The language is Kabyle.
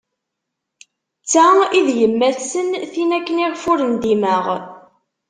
D ta i d yemmat-nsen, tin akken i ɣef ur ndimeɣ.